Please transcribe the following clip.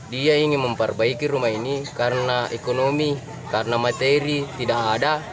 dia ingin memperbaiki rumah ini karena ekonomi karena materi tidak ada